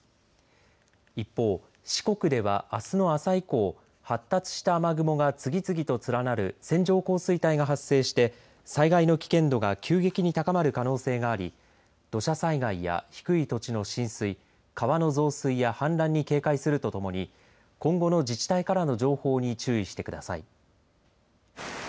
一方、四国ではあすの朝以降発達した雨雲が次々と連なる線状降水帯が発生して災害の危険度が急激に高まる可能性があり土砂災害や低い土地の浸水川の増水や氾濫に警戒するとともに今後の自治体からの情報に注意してください。